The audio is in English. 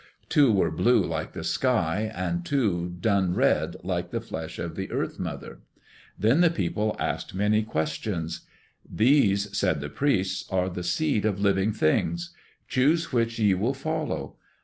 Two were blue like the sky and two dun red like the flesh of the Earth mother. Then the people asked many questions. "These," said the priests, "are the seed of living beings. Choose which ye will follow.